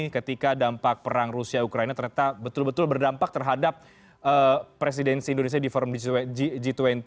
ketika dampak perang rusia ukraina ternyata betul betul berdampak terhadap presidensi indonesia di forum g dua puluh